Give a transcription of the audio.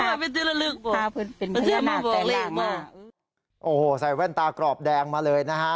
ผ้าผืนเป็นพิธีระลักษณ์สายแว่นตากรอบแดงมาเลยนะฮะ